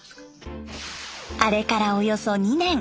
あれからおよそ２年。